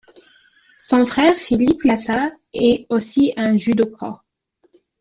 Son frère Philip Laats est aussi un judoka.